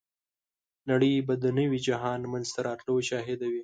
نړۍ به د نوي جهان منځته راتلو شاهده وي.